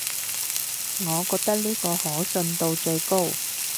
我覺得呢個可信度最高